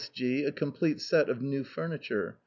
S. G a complete set of new furniture.